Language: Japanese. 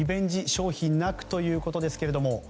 消費なくということですけれども。